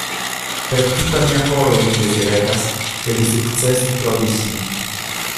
Per tuta mia koro mi deziregas, ke vi sukcesu trovi ŝin.